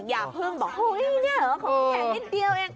อย่าพึ่งบอกโอ้ยเนี่ยเหรอเขาแข็งนิดเดียวเอง